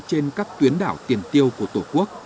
trên các tuyến đảo tiền tiêu của tổ quốc